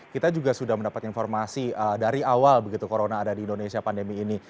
kita juga sudah mendapat informasi dari awal begitu corona ada di indonesia pandemi ini